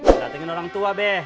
ngelatingin orang tua be